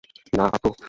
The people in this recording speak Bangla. না, আব্বু!